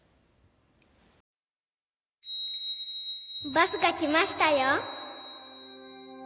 バスが来ましたよ。